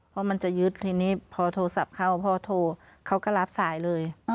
เพราะมันจะยึดทีนี้พอโทรศัพท์เข้าพอโทรเขาก็รับสายเลย